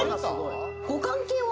ご関係は？